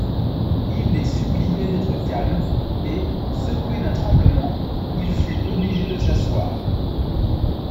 Il les suppliait d'être calmes ; et, secoué d'un tremblement, il fut obligé de s'asseoir.